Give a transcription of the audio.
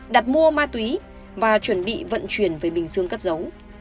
đặt mua ma túy và chuẩn bị vận chuyển về bình dương cất giấu